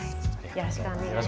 よろしくお願いします。